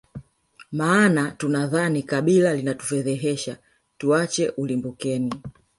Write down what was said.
maana tunadhani kabila linatufedhehesha tuache ulimbukeni